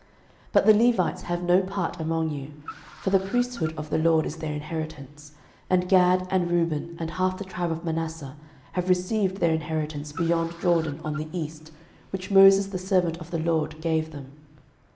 06:018:007 But the Levites have no part among you; for the priesthood of the LORD is their inheritance: and Gad, and Reuben, and half the tribe of Manasseh, have received their inheritance beyond Jordan on the east, which Moses the servant of the LORD gave them.